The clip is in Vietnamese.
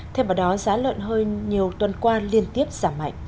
theo báo đó giá lợn hơi nhiều tuần qua liên tiếp giảm mạnh